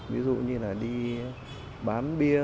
ví dụ như là đi bán bia